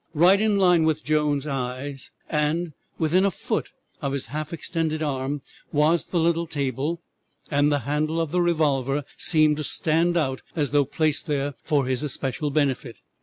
Right in line with Jones' eyes, and within a foot of his half extended arm, was the little table, and the handle of the revolver seemed to stand out as though placed there for his especial benefit.